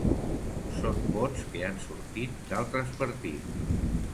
Són vots que han sortit d’altres partits.